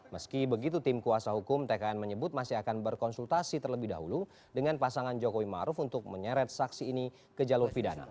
meski begitu tim kuasa hukum tkn menyebut masih akan berkonsultasi terlebih dahulu dengan pasangan jokowi maruf untuk menyeret saksi ini ke jalur pidana